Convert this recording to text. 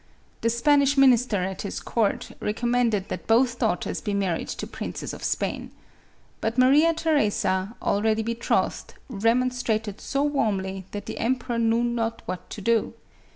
The Spanish minister at his court, recommended that both daughters be married to princes of Spain. But Maria Theresa, already betrothed, remonstrated so warmly that the emperor knew not what to do.